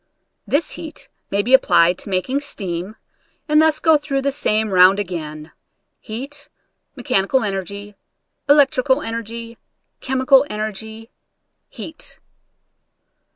This heat may be applied to making steam and thus go through the same round again — heat, mechani cal energy, electrical energy, chemical energy, heat.